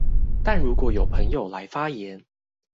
但如果有朋友來發言